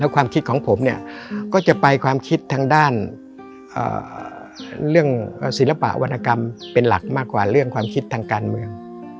ความคิดของผมเนี่ยก็จะไปความคิดทางด้านเรื่องศิลปะวรรณกรรมเป็นหลักมากกว่าเรื่องความคิดทางการเมือง